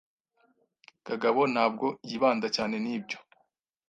Kagabo ntabwo yibanda cyane, nibyo?